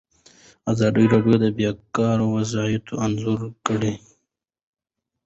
ازادي راډیو د بیکاري وضعیت انځور کړی.